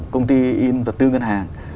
công ty in vật tư ngân hàng